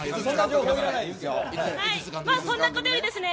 そんなことよりですね